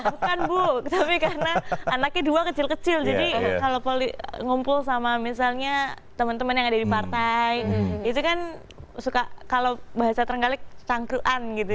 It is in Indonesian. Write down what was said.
bukan bu tapi karena anaknya dua kecil kecil jadi kalau ngumpul sama misalnya teman teman yang ada di partai itu kan suka kalau bahasa terenggalek cangkruan gitu